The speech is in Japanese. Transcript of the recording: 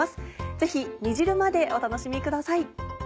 ぜひ煮汁までお楽しみください。